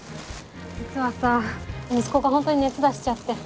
実はさ息子が本当に熱出しちゃって。